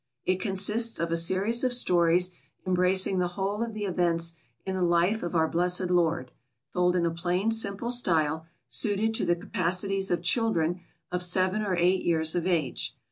It consists of a series of stories, embracing the whole of the events in the life of our Blessed Lord, told in a plain, simple style, suited to the capacities of children of seven or eight years of age.